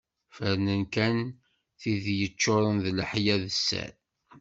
Ferrnen kan tid yeččuren d leḥya d sser.